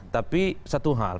tapi satu hal